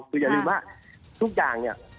คืออย่าลืมว่าทุกอย่างเนี่ย